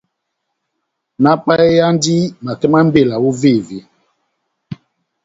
Náhápayeyandi makɛ má mbela óvévé ?